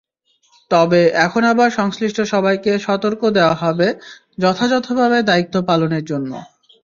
তবে এখন আবার সংশ্লিষ্ট সবাইকে সতর্ক দেওয়া হবে যথাযথভাবে দায়িত্ব পালনের জন্য।